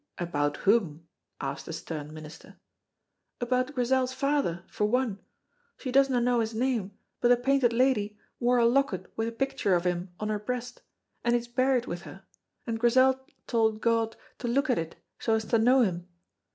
"About whom?" asked the stern minister. "About Grizel's father, for one. She doesna know his name, but the Painted Lady wore a locket wi' a picture of him on her breast, and it's buried wi' her, and Grizel told God to look at it so as to know him.